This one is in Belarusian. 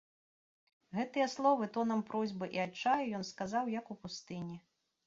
Гэтыя словы, тонам просьбы і адчаю, ён сказаў як у пустыні.